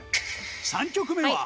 ３曲目は？